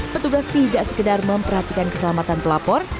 petugas tidak sekedar memperhatikan keselamatan pelapor